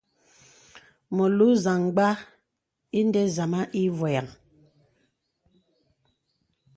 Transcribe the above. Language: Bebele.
Melùù zamgbā ìndə zāmā i vɔyaŋ.